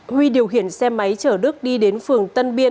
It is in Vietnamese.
huy điều khiển xe máy chở đức đi đến phường tân biên